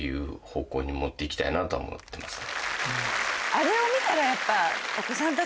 あれを見たらやっぱ。